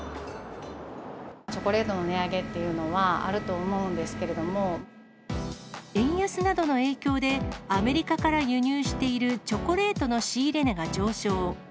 チョコレートの値上げってい円安などの影響で、アメリカから輸入しているチョコレートの仕入れ値が上昇。